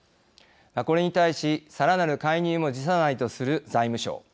これに対しさらなる介入も辞さないとする財務省。